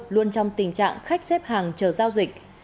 luôn trong tình trạng khách xếp hàng chờ giao dịch